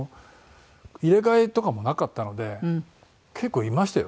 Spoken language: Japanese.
入れ替えとかもなかったので結構いましたよ。